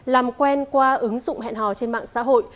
làm quen qua ứng dụng hẹn hò trên mạng xã hội